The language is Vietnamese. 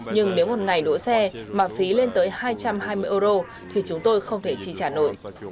nhưng nếu một ngày đỗ xe mà phí lên tới hai trăm hai mươi euro thì chúng tôi không thể chi trả nổi